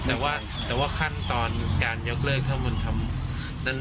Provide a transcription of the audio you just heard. แต่ว่าขั้นตอนการยกเลิกเขามาทำ